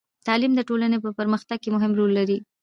تعلیم د ټولنې په پرمختګ کې مهم رول لري.